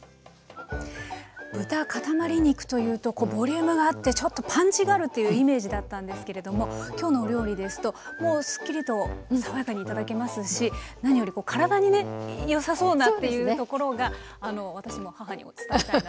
豚かたまり肉というとボリュームがあってちょっとパンチがあるっていうイメージだったんですけれども今日のお料理ですともうすっきりと爽やかに頂けますし何より体にねよさそうなっていうところが私も母にも伝えたいなと思いました。